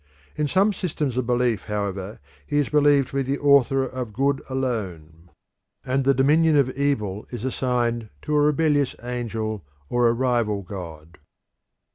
In some systems of belief, however, he is believed to be the author of good alone, and the dominion of evil is assigned to a rebellious angel or a rival god.